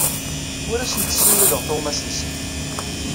Ur asent-ssirideɣ tuɣmas-nsent.